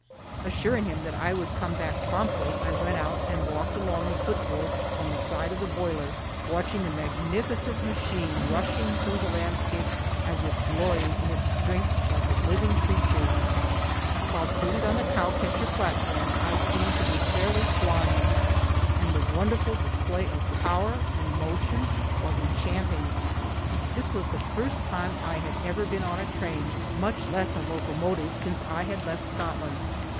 Assuring him that I would come back promptly, I went out and walked along the foot board on the side of the boiler, watching the magnificent machine rushing through the landscapes as if glorying in its strength like a living creature. While seated on the cow catcher platform, I seemed to be fairly flying, and the wonderful display of power and motion was enchanting. This was the first time I had ever been on a train, much less a locomotive, since I had left Scotland.